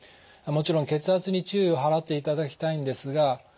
もちろん血圧に注意を払っていただきたいんですが